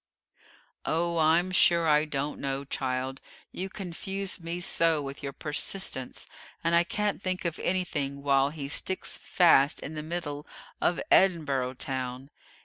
"Oh, I'm sure I don't know, child; you confuse me so with your persistence, and I can't think of anything while he sticks fast in the middle of 'Edinboro' Town.'